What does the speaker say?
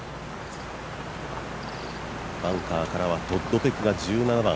バンカーからはトッド・ペクが１７番。